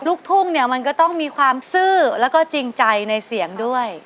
ลูกทุ่งเนี่ยมันก็ต้องมีความซื่อแล้วก็จริงใจในเสียงด้วย